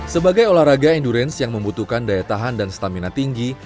sebagai olahraga endurance yang membutuhkan daya tahan dan stamina tinggi